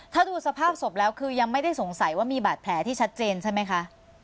ถ้าดูสภาพศพแล้วคือยังไม่ได้สงสัยว่ามีบาดแผลที่ชัดเจนใช่ไหมคะ